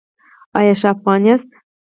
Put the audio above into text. ایا ښه افغان یاست؟